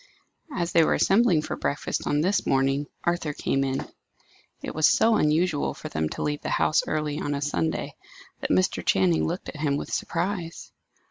As they were assembling for breakfast on this morning, Arthur came in. It was so unusual for them to leave the house early on a Sunday, that Mr. Channing looked at him with surprise.